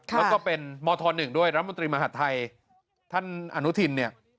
แล้วก็เป็นมศ๑ด้วยรัฐมนตรีมหาธัยท่านอนุทิน